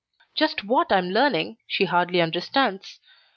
Just what I am learning she hardly understands.